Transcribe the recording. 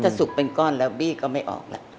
ถ้าสุกเป็นก้อนแล้วบี้ก็ไม่ออกแล้ว